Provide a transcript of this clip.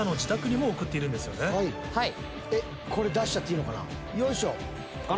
これ出しちゃっていいのかなよいしょ。